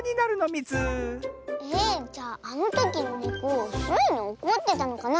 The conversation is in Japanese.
えじゃああのときのネコスイにおこってたのかな？